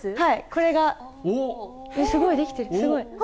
これが、すごい、できてる、すごい。